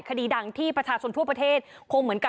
คดีดังที่ประชาชนทั่วประเทศคงเหมือนกับ